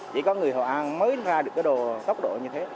chỉ có người hội an mới ra được cái đồ tốc độ như thế